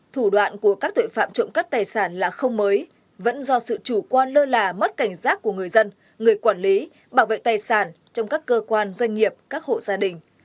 thủ đoạn của các tội phạm trộm cắp tài sản là không mới vẫn do sự chủ quan lơ là mất cảnh giác của người dân người quản lý bảo vệ tài sản trong các cơ quan doanh nghiệp các hộ gia đình